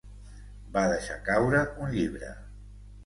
Va deixar caure un llibre.